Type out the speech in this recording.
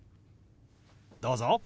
どうぞ。